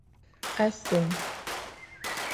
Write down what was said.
A sen.